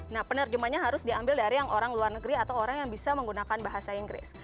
nah penerjemahnya harus diambil dari yang orang luar negeri atau orang yang bisa menggunakan bahasa inggris